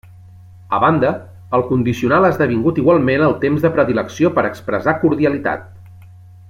A banda, el condicional ha esdevingut igualment el temps de predilecció per a expressar cordialitat.